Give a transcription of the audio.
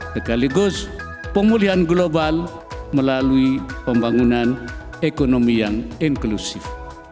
sekaligus pemulihan global melalui pembangunan ekonomi yang inklusif